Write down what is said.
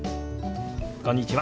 こんにちは！